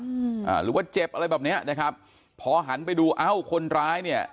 อ่าหรือว่าเจ็บอะไรแบบเนี้ยนะครับพอหันไปดูเอ้าคนร้ายเนี่ย